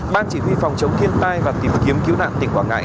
ban chỉ huy phòng chống thiên tai và tìm kiếm cứu nạn tỉnh quảng ngãi